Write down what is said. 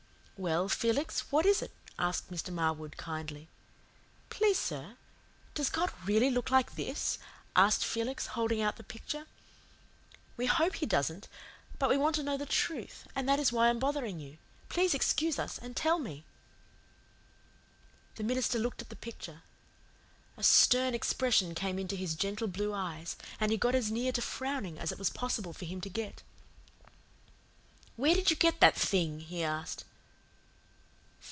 "Well, Felix, what is it?" asked Mr. Marwood kindly. "Please, sir, does God really look like this?" asked Felix, holding out the picture. "We hope He doesn't but we want to know the truth, and that is why I'm bothering you. Please excuse us and tell me." The minister looked at the picture. A stern expression came into his gentle blue eyes and he got as near to frowning as it was possible for him to get. "Where did you get that thing?" he asked.